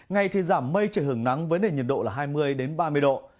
ngay thì giảm mây trời hưởng nắng với nền nhiệt độ là hai mươi đến ba mươi độ